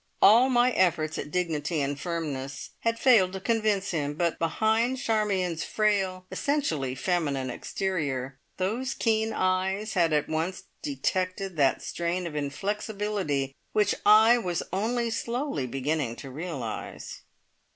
All my efforts at dignity and firmness had failed to convince him, but behind Charmion's frail, essentially feminine exterior, those keen eyes had at once detected that strain of inflexibility which I was only slowly beginning to realise.